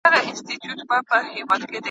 ښاریان څنګه د استازو سره اړیکه نیسي؟